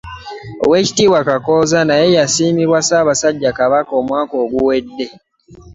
Oweekitiibwa Kakooza naye yasiimibwa ssaabasajja Kabaka omwaka oguwedde.